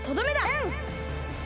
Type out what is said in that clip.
うん！